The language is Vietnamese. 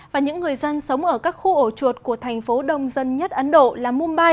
và những người dân sống ở các khu ổ chuột của thành phố đông dân nhất ấn độ là mumbai